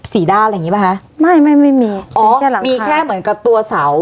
สี่ด้านอะไรอย่างนี้ป่ะคะไม่ไม่ไม่มีอ๋อแค่หลังมีแค่เหมือนกับตัวเสา